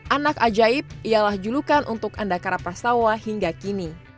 anak ajaib ialah julukan untuk andakara prastawa hingga kini